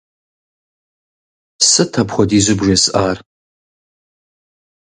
Сыт апхуэдизу бжесӀар?